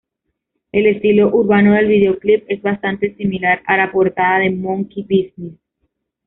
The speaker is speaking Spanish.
El estilo urbano del videoclip es bastante similar a la portada de Monkey Business.